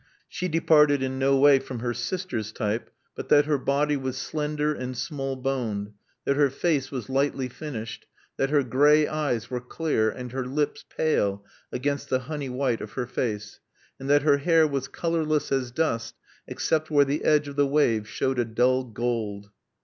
She departed in no way from her sister's type but that her body was slender and small boned, that her face was lightly finished, that her gray eyes were clear and her lips pale against the honey white of her face, and that her hair was colorless as dust except where the edge of the wave showed a dull gold.